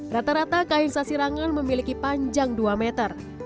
rata rata kain sasirangan memiliki panjang dua meter